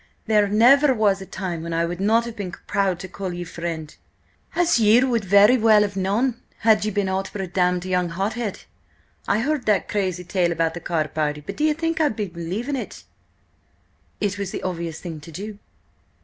"There never was a time when I would not have been proud to call ye friend, as ye would very well have known, had ye been aught but a damned young hothead! I heard that crazy tale about the card party, but do ye think I believed it?" "It was the obvious thing to do."